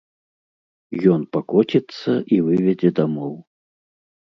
Ён пакоціцца і выведзе дамоў.